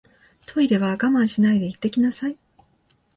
トイレは我慢しないで行ってきなさい